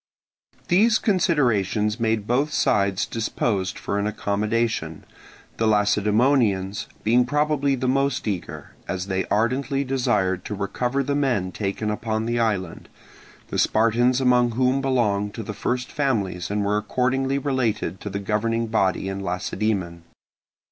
These considerations made both sides disposed for an accommodation; the Lacedaemonians being probably the most eager, as they ardently desired to recover the men taken upon the island, the Spartans among whom belonged to the first families and were accordingly related to the governing body in Lacedaemon.